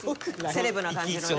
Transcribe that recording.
セレブな感じのね。